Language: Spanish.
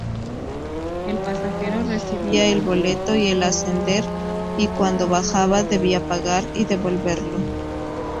El pasajero recibía el boleto al ascender, y cuando bajaba debía pagar y devolverlo.